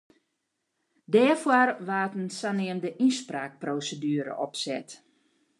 Dêrfoar waard in saneamde ynspraakproseduere opset.